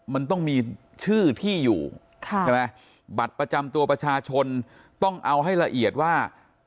มันต้องมีชื่อที่อยู่ใช่ไหมบัตรประจำตัวประชาชนต้องเอาให้ละเอียดว่า